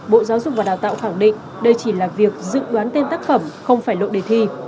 bộ giáo dục và đào tạo khẳng định đây chỉ là việc dự đoán tên tác phẩm không phải lộ đề thi